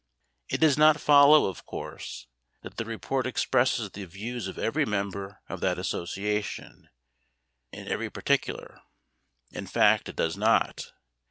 It does not follow, of course, that the report expresses the views of every member of that association, in every particular. In fact it does not.